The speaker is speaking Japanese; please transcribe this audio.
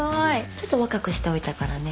ちょっと若くしておいたからね。